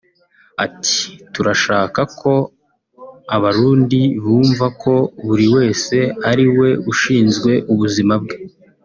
Ati “turashaka ko Abarundi bumva ko buri wese ari we ushinzwe ubuzima bwe